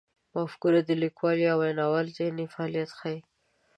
مفکوره د لیکوال یا ویناوال ذهني فعالیت ښيي.